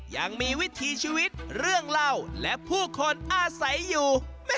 ยังมีวิถีชีวิตเรื่องเล่าและผู้คนอาศัยอยู่